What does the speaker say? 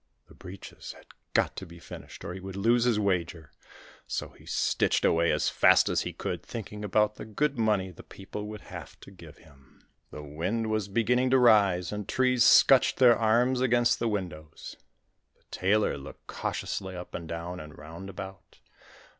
The breeches had got to be finished, or he would lose his wager, so he stitched away as fast as he could, thinking about the good money the people would have to give him. The wind was beginning to rise, and trees scutched their arms against the windows. The tailor looked cautiously up and down and round about.